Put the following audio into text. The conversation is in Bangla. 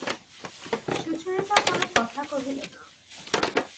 সুচরিতা কোনো কথা কহিল না।